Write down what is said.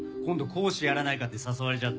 講師やらないかって誘われちゃって。